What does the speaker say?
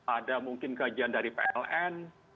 ada mungkin kajian dari pln